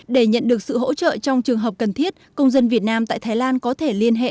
để nhận được sự hỗ trợ trong trường hợp cần thiết công dân việt nam tại thái lan có thể liên hệ